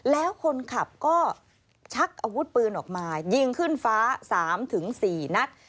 แล้วคนขับก็ชักอาวุธปืนออกมายิงขึ้นฟ้า๓๔นัด